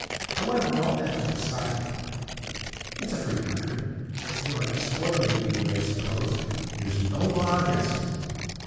However, all that is beside the point. It's a free country. If you like to spoil your beauty, I suppose there's no law against it.